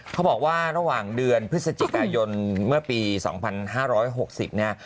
เขาบอกว่าระหว่างเดือนพฤศจิกายนเมื่อปี๒๕๖๐เนี่ย